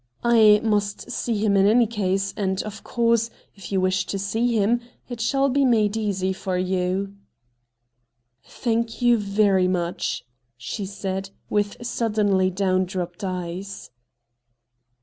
' I must see him in any case, and of course, if you wish to see him it shall be made easy for you. ' Thank you, very much', she said, with suddenly down dropped eyes.